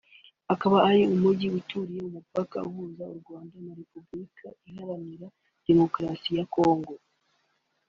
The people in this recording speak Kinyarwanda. ukaba ari umujyi uturiye umupaka uhuza u Rwanda na Repubulika iharanira Demokarasi ya Congo